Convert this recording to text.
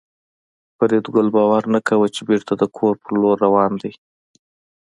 فریدګل باور نه کاوه چې بېرته د کور په لور روان دی